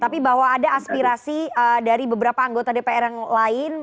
tapi bahwa ada aspirasi dari beberapa anggota dpr yang lain